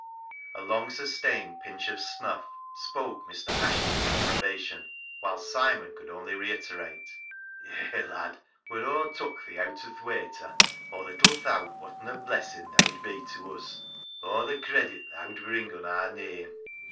A long sustained pinch of snuff spoke Mr. Ashton's approbation, whilst Simon could only reiterate, " Eh, lad, when aw tuk thee eawt o' the wayter, aw little thowt whatn a blessin' theaw'd be to us, or the credit theaw'd bring on ar neame